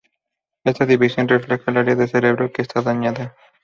Esta división refleja el área del cerebro que está dañada.